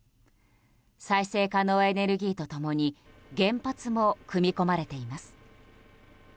再生可能エネルギーと共に原発も組み込まれています。